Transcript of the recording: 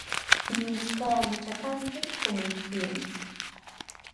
Nin buscaba machacante, como dicían.